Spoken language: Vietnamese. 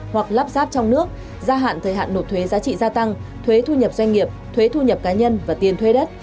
hắp trong nước gia hạn thời hạn nộp thuế giá trị gia tăng thuế thu nhập doanh nghiệp thuế thu nhập cá nhân và tiền thuê đất